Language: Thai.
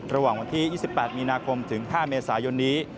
ระหว่างวันที่๒๘มีนาคมถึง๕เมษายนนี้